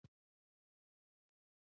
دی يوازې خپلو امکاناتو ته ګوري.